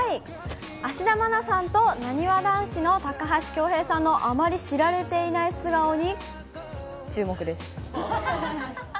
芦田愛菜さんとなにわ男子の高橋恭平さんのあまり知られていない素顔に注目です。